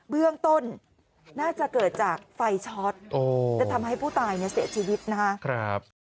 เบื้องต้นน่าจะเกิดจากไฟช็อตจะทำให้ผู้ตายเนี่ยเสียชีวิตนะครับ